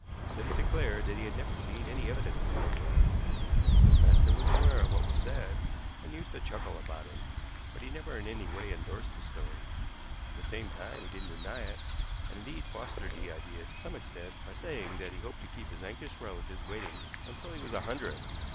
Sims declared that he had never seen any evidence of great wealth. His master was aware of what was said, and used to chuckle about it, but he never in any way endorsed the story. At the same time he didn't deny it, and, indeed, fostered the idea to some extent by saying that he hoped to keep his anxious relatives waiting until he was a hundred.